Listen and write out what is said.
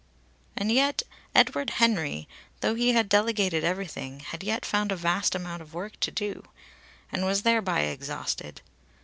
And yet Edward Henry, though he had delegated everything, had yet found a vast amount of work to do; and was thereby exhausted.